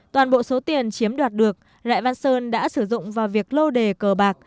toàn bộ số tiền chiếm đoạt được lại văn sơn đã sử dụng vào việc lô đề cờ bạc